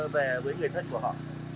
về với người thân của họ